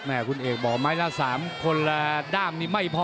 คุณเอกบอกไม้ละ๓คนละด้ามนี้ไม่พอ